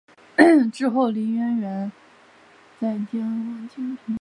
之后林渊源再将白派事务传承给王金平。